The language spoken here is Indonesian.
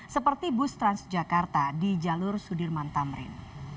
seperti bus transjakarta di jalur sudirman tamrin